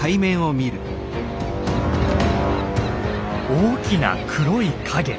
大きな黒い影。